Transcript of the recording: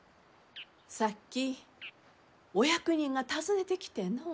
さっきお役人が訪ねてきてのう。